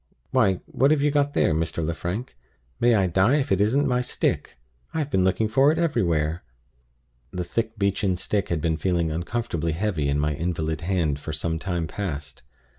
Why, what have you got there, Mr. Lefrank? May I die if it isn't my stick! I have been looking for it everywhere!" The thick beechen stick had been feeling uncomfortably heavy in my invalid hand for some time past.